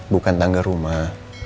bukan tangga rumah